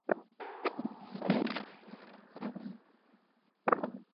এই ঘটনার পর দশ বৎসর অতীত হইয়া গেল।